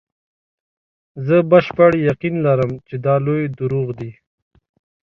زه بشپړ یقین لرم چې دا لوی دروغ دي.